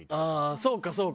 そうかそうか。